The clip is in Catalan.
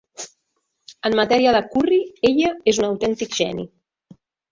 En matèria de curri, ella és un autèntic geni.